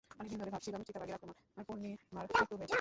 অনেক দিন ধরে ভাবছিলাম চিতাবাঘের আক্রমণে পূর্ণিমার মৃত্যু হয়েছে।